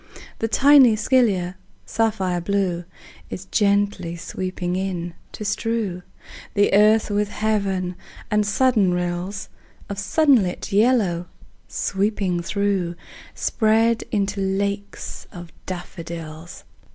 The tiny scilla, sapphire blue, Is gently sweeping in, to strew The earth with heaven; and sudden rills Of sunlit yellow, sweeping through, Spread into lakes of daffodils.